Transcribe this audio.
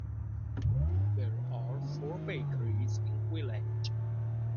There are four bakeries in village.